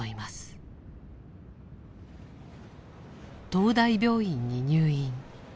東大病院に入院。